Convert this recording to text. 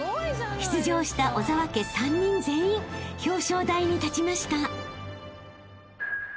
［出場した小澤家３人全員表彰台に立ちました］